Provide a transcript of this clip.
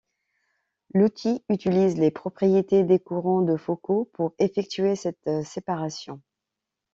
L'outil utilise les propriétés des courants de Foucault pour effectuer cette séparation.